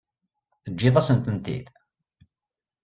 Teǧǧiḍ-asent-tent-id?